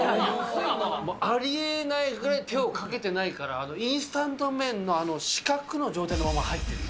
ありえないぐらい手をかけてないから、インスタント麺の四角の状態のまま入ってる。